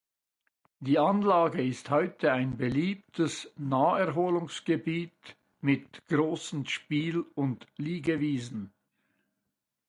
Die Anlage ist heute ein beliebtes Naherholungsgebiet mit großen Spiel- und Liegewiesen.